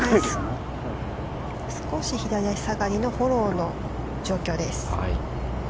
◆少し左足下がりのフォローの状況です。